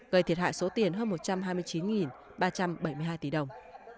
gây thiệt hại số tiền hơn một trăm hai mươi chín ba trăm bảy mươi hai tỷ đồng